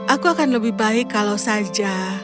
aku akan lebih baik kalau saja